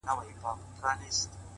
نظم د لویو ارمانونو ساتونکی دی.!